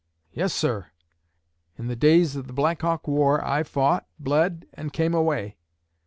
Yes, sir. In the days of the Black Hawk War I fought, bled, and came away.